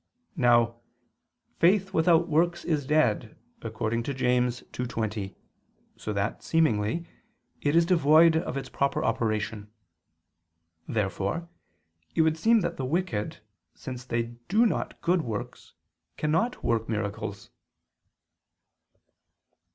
Now "faith without works is dead," according to James 2:20, so that, seemingly, it is devoid of its proper operation. Therefore it would seem that the wicked, since they do not good works, cannot work miracles.